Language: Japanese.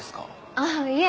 ああいえ。